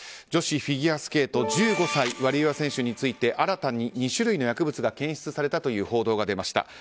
女子フィギュアスケート１５歳、ワリエワ選手について新たに２種類の薬物が検出されたという報道が出ました。